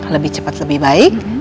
lebih cepat lebih baik